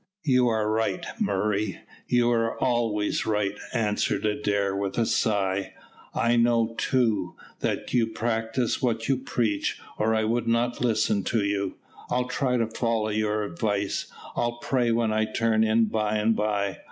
"You are right, Murray, you are always right," answered Adair, with a sigh. "I know, too, that you practise what you preach, or I would not listen to you. I'll try to follow your advice. I'll pray when I turn in by and by.